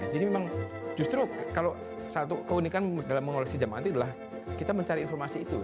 jadi memang justru kalau satu keunikan dalam mengolesi jam antik adalah kita mencari informasi itu